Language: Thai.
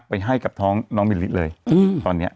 ไปให้กับท้องน้องมิลลิเลยตอนนี้